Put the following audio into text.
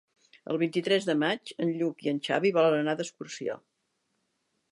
El vint-i-tres de maig en Lluc i en Xavi volen anar d'excursió.